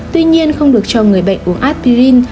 tuy nhiên không được cho người bệnh uống aspirin